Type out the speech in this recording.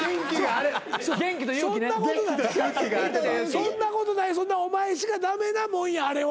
そんなことないお前しか駄目なもんやあれは。